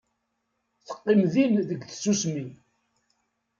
Teqqim din deg tsusmi.